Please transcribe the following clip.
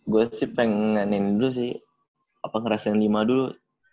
gua sih pengenin dulu sih apa ngerasain lima dulu